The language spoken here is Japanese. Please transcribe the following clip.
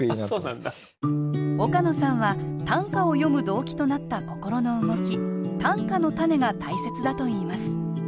岡野さんは短歌を詠む動機となった心の動き短歌のたねが大切だといいます。